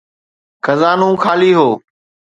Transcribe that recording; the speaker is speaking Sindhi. خزانو خالي هو.